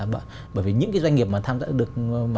bởi vì những cái doanh nghiệp mà tham gia được